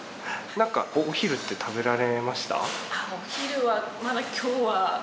何かお昼って食べられました？